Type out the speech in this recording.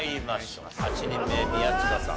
８人目宮近さん